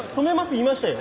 言いましたよね？